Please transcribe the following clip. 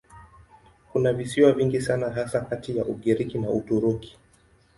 Kuna visiwa vingi sana hasa kati ya Ugiriki na Uturuki.